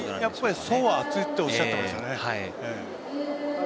層は厚いとおっしゃっていましたね。